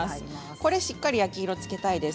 これは、しっかりと焼き色をつけたいです。